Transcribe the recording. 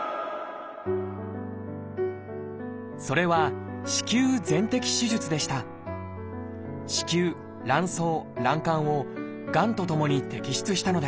それは子宮卵巣卵管をがんとともに摘出したのです